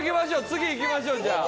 次いきましょうじゃあ。